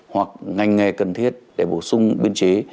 hoặc ngành nghề cần thiết để bổ sung biên chế